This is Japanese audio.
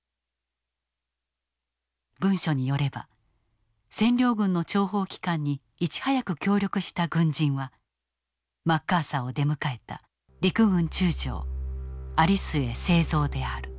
文書によれば占領軍の諜報機関にいち早く協力した軍人はマッカーサーを出迎えた陸軍中将有末精三である。